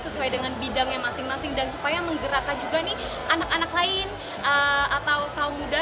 sesuai dengan bidangnya masing masing dan supaya menggerakkan juga nih anak anak lain atau kaum muda